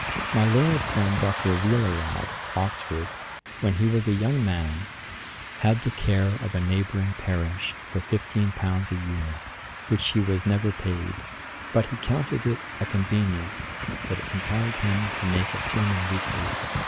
My learned friend Dr. Wheeler of Oxford, when he was a young man, had the care of a neighbouring parish for fifteen pounds a year, which he was never paid; but he counted it a convenience that it compelled him to make a sermon weekly.